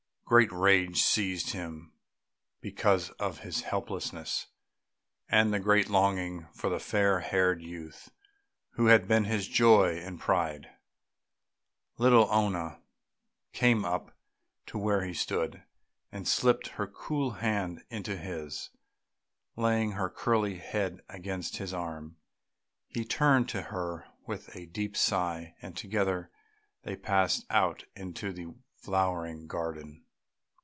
Great rage seized him because of his helplessness, and a great longing for the fair haired youth who had been his joy and pride. Little Oona came up to where he stood, and slipped her cool hand into his, laying her curly head against his arm. He turned to her with a deep sigh, and together they passed out into the flowering garden.